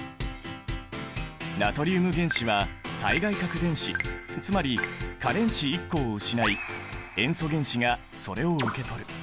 ナトリウム原子は最外殻電子つまり価電子１個を失い塩素原子がそれを受け取る。